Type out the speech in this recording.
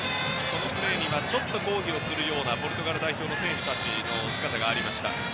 今のプレーには抗議をするようなポルトガル代表の選手たちの姿がありました。